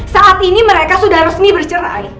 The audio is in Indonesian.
saat ini mereka sudah resmi bercerai